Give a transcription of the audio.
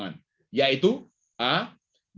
yang menyalurkan kredit pembiayaan kepada bank umum